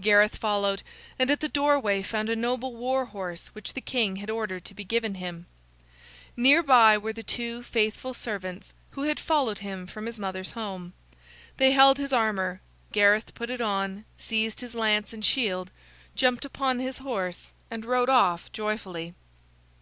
Gareth followed, and at the doorway found a noble war horse which the king had ordered to be given him. Near by were the two faithful servants who had followed him from his mother's home. They held his armor. Gareth put it on, seized his lance and shield, jumped upon his horse, and rode off joyfully.